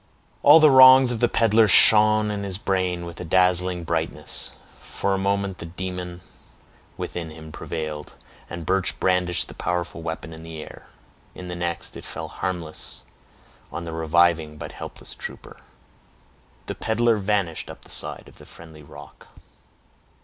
All the wrongs of the peddler shone on his brain with a dazzling brightness. For a moment the demon within him prevailed, and Birch brandished the powerful weapon in the air; in the next, it fell harmless on the reviving but helpless trooper. The peddler vanished up the side of the friendly rock.